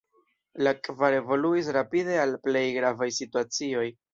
La kvar evoluis rapide al plej gravaj situacioj.